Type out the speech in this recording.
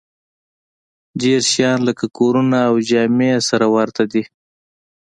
ډېر شیان لکه کورونه او جامې یې سره ورته دي